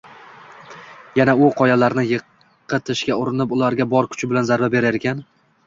Yana u qoyalarni yiqitishga urinib, ularga bor kuchi bilan zarba berarkan